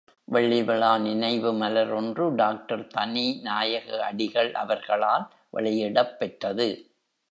வெள்ளிவிழா நினைவு மலர் ஒன்று டாக்டர் தனிநாயக அடிகள் அவர்களால் வெளியிடப்பெற்றது.